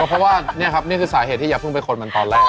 เพราะว่านี่ครับนี่คือสาเหตุที่อย่าเพิ่งไปค้นมันตอนแรก